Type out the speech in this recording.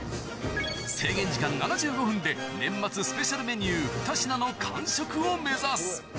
制限時間７５分で、年末スペシャルメニュー２品の完食を目指す。